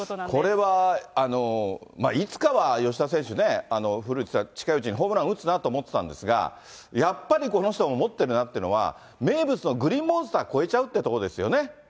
これは、いつかは吉田選手ね、古内さん、近いうちにホームラン打つなと思ってたんですが、やっぱりこの人ももってるなっていうのは、名物のグリーンモンスター、越えちゃうってところですよね。